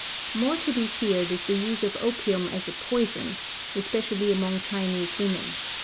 More to be feared is the use of opium as a poison, especially among Chinese women.